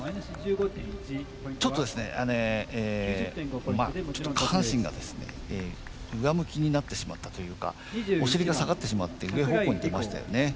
ちょっとですね、下半身が上向きになってしまったというかお尻が下がってしまって上方向に出ましたよね。